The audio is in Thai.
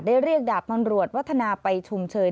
เรียกดาบตำรวจวัฒนาไปชุมเชย